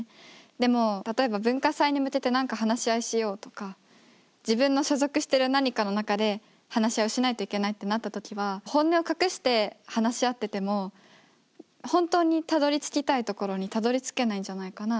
でも例えば文化祭に向けて何か話し合いしようとか自分の所属してる何かの中で話し合いをしないといけないってなった時は本音を隠して話し合ってても本当にたどりつきたいところにたどりつけないんじゃないかな。